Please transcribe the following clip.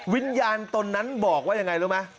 วิญญาณตนนั้นบอกว่ายังไงรู้ไหม